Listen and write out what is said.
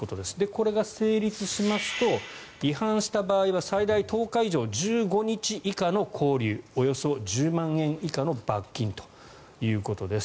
これが成立しますと違反した場合は最大１０日以上１５日以下の拘留およそ１０万円以下の罰金ということです。